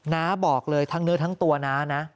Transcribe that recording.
น้าบอกเลยทั้งเนื้อทั้งตัวน้านะ